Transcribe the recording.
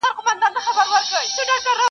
قاسم یار او د نشې یې سره څه.